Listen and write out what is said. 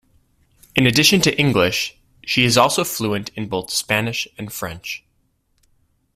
In addition to English, she is also fluent in both Spanish and French.